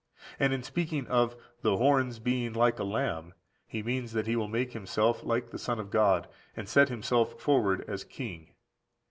And in speaking of "the horns being like a lamb," he means that he will make himself like the Son of God, and set himself forward as king.